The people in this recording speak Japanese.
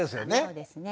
そうですね。